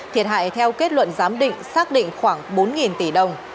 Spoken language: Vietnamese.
thiệt hại theo kết luận giám định xác định khoảng bốn tỷ đồng